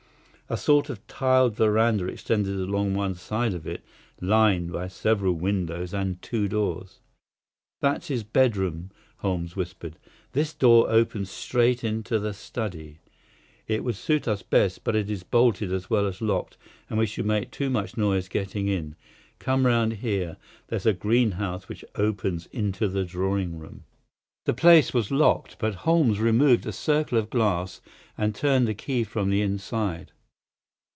A sort of tiled veranda extended along one side of it, lined by several windows and two doors. "That's his bedroom," Holmes whispered. "This door opens straight into the study. It would suit us best, but it is bolted as well as locked, and we should make too much noise getting in. Come round here. There's a greenhouse which opens into the drawing room." The place was locked, but Holmes removed a circle of glass and turned the key from the inside.